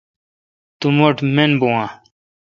تو مٹھ مین بھو اؘ۔